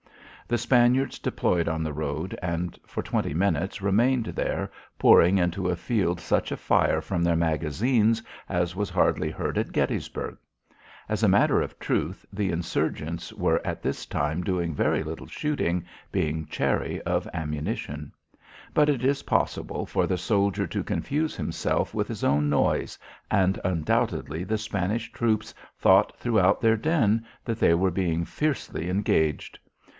The Spaniards deployed on the road and for twenty minutes remained there pouring into the field such a fire from their magazines as was hardly heard at Gettysburg. As a matter of truth the insurgents were at this time doing very little shooting, being chary of ammunition. But it is possible for the soldier to confuse himself with his own noise and undoubtedly the Spanish troops thought throughout their din that they were being fiercely engaged.